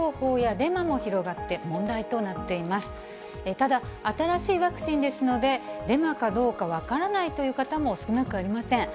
ただ、新しいワクチンですので、デマかどうか分からないという方も少なくありません。